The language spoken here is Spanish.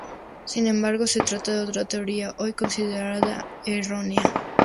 Sin embargo, se trata de otra teoría hoy considerada errónea.